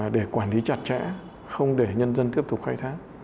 để quản lý chặt chẽ không để nhân dân tiếp tục khai thác